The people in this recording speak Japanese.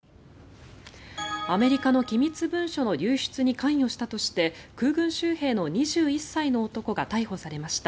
アメリカの機密文書の流出に関与したとして空軍州兵の２１歳の男が逮捕されました。